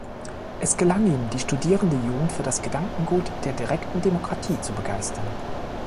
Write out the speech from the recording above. Es gelang ihm, die studierende Jugend für das Gedankengut der Direkten Demokratie zu begeistern.